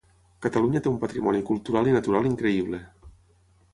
Catalunya té un patrimoni cultural i natural increïble.